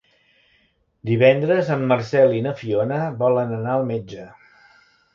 Divendres en Marcel i na Fiona volen anar al metge.